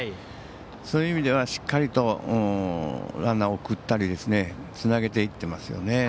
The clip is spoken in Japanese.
そういう意味ではしっかりとランナーを送ったりつなげていってますよね。